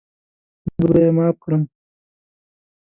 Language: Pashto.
زه به یې معاف کړم.